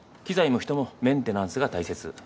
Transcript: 機材も人もメンテナンスが大切。